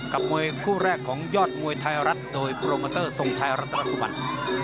กับมวยคู่แรกของยอดมวยไทยรัฐโดยโปรเมอเตอร์ทรงไทยรัฐรสวรรค์